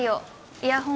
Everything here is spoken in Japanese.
イヤホン